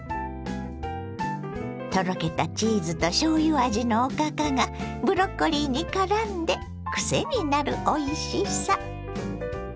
とろけたチーズとしょうゆ味のおかかがブロッコリーにからんでクセになるおいしさ！